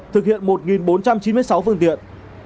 thực hiện một bốn trăm chín mươi sáu phương tiện